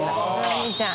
お兄ちゃん。